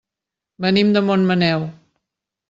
Venim de Montmaneu.